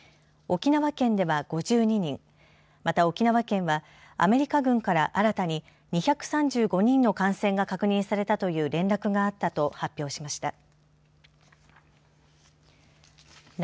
沖縄県では５２人また沖縄県はアメリカ軍から新たに２３５人の感染が確認されたという連絡があったと発表しました。